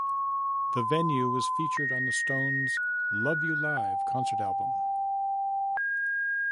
The venue was featured on the Stones' "Love You Live" concert album.